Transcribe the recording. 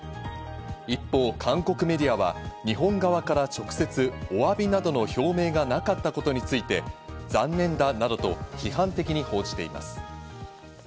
一方、韓国メディアは、日本側から直接、お詫びなどの表明がなかったことについて、「残念だ」などと批判的に報じています。